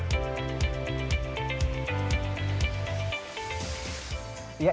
jadi kita bisa mencari uang